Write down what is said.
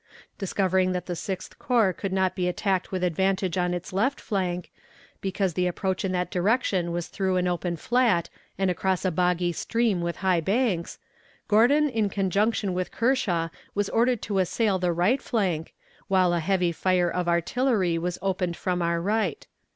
Discovering that the Sixth Corps could not be attacked with advantage on its left flank, because the approach in that direction was through an open flat and across a boggy stream with high banks, Gordon in conjunction with Kershaw was ordered to assail the right flank, while a heavy fire of artillery was opened from our right.